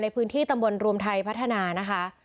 ในพื้นที่ตำบลรวมไทยพัฒนานะคะ